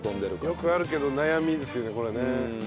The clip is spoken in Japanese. よくあるけど悩みですよねこれね。